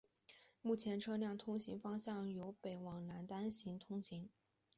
目前车辆通行方向为由北往南单向通行。